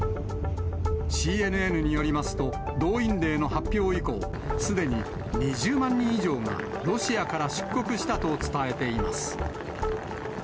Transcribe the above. ＣＮＮによりますと、動員令の発表以降、すでに２０万人以上がロシアから出国したと伝えています。